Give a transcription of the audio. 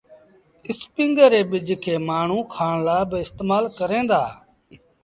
اسپيٚنگر ري ٻج کي مآڻهوٚٚݩ کآڻ لآ با استمآل ڪريݩ دآ۔